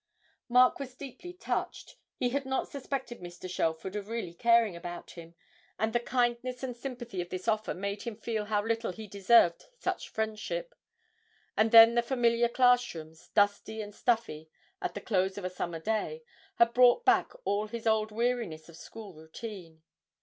Mark was deeply touched, he had not suspected Mr. Shelford of really caring about him, and the kindness and sympathy of this offer made him feel how little he deserved such friendship; and then the familiar class rooms, dusty and stuffy at the close of a summer day, had brought back all his old weariness of school routine.